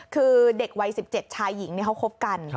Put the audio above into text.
คือเด็กวัย๑๗ชายหญิงเขาคบกัน